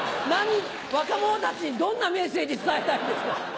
若者たちにどんなメッセージ伝えたいんですか？